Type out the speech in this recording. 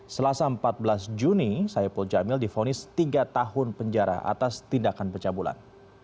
selasa empat belas juni saipul jamil difonis tiga tahun penjara atas tindakan pencabulan